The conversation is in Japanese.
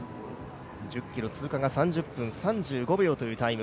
１０ｋｍ通過が３０分３５秒というタイム